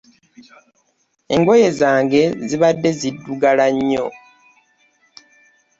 Engoye zange zibadde ziddugala nnyo.